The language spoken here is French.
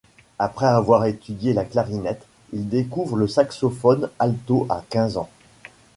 Après avoir étudié la clarinette, il découvre le saxophone alto à quinze ans.